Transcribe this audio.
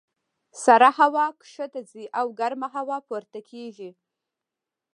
سړه هوا ښکته ځي او ګرمه هوا پورته کېږي.